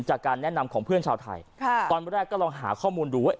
จากการแนะนำของเพื่อนชาวไทยค่ะตอนแรกก็ลองหาข้อมูลดูว่า